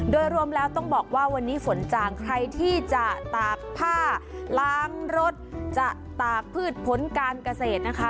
โดยรวมแล้วต้องบอกว่าวันนี้ฝนจางใครที่จะตากผ้าล้างรถจะตากพืชผลการเกษตรนะคะ